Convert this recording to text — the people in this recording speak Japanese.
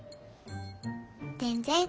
全然。